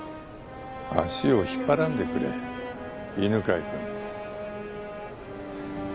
足を引っ張らんでくれ犬飼君。